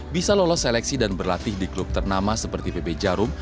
bisa lolos seleksi dan berlatih di klub ternama seperti pb jarum